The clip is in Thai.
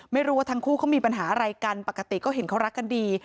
ไม่รู้ว่าทั้งคู่เขามีปัญหาอะไรกันปกติก็เห็นเขารักกันดี